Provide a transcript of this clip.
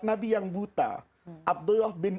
nabi yang buta abdullah bin